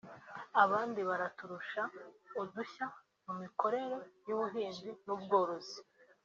abandi baraturusha udushya mu mikorere y’ubuhinzi n’ubworozi”